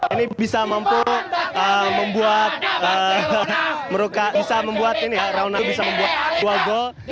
ini bisa membuat rauno bisa membuat dua gol